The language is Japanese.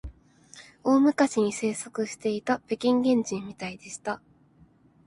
大昔に生息していた北京原人みたいでした